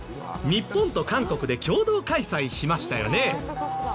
日本と韓国で共同開催しましたよね。